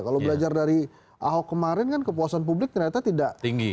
kalau belajar dari ahok kemarin kan kepuasan publik ternyata tidak tinggi